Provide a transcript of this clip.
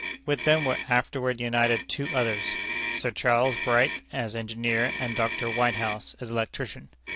With them were afterward united two others Sir Charles Bright, as engineer, and Dr. Whitehouse, as electrician.